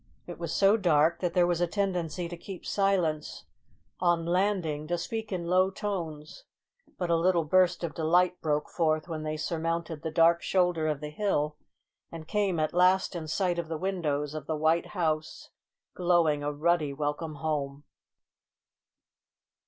It was so dark that there was a tendency to keep silence on landing to speak in low tones; but a little burst of delight broke forth when they surmounted the dark shoulder of the hill, and came at last in sight of the windows of the White House, glowing a ruddy welcome home.